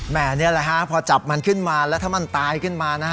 แหมนี่แหละพอจับมันขึ้นมาแล้วถ้ามันตายขึ้นมา